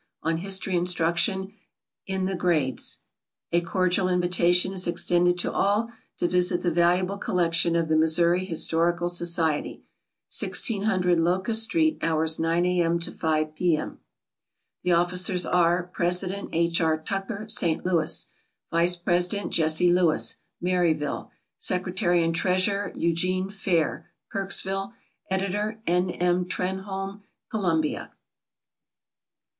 "On History Instruction in the Grades." A cordial invitation is extended to all to visit the valuable collection of the Missouri Historical Society, 1600 Locust Street, hours 9 a.m. to 5 p.m. The officers are: President, H. R. Tucker, St. Louis; vice president, Jesse Lewis, Maryville; secretary and treasurer, Eugene Fair, Kirksville; editor, N. M. Trenholme, Columbia.